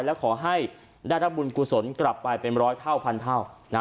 สามารถได้รับบุญกุศลกลับไปเป็นร้อยเท่าพันเท่า